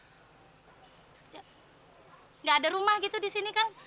tidak ada rumah gitu di sini kan